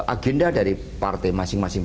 agenda dari partai masing masing